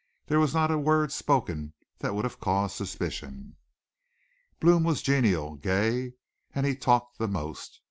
There was not a word spoken that would have caused suspicion. Blome was genial, gay, and he talked the most.